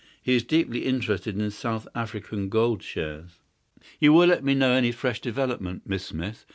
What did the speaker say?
He is deeply interested in South African gold shares." "You will let me know any fresh development, Miss Smith.